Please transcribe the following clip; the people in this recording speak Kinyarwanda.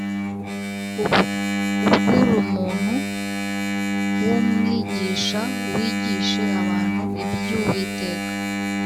Ubw' ur' umuntu w'umwigisha, Wigishe abantu iby'Uwiteka,